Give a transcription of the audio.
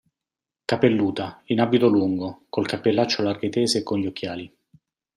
Capelluta, in abito lungo, col cappellaccio a larghe tese e con gli occhiali.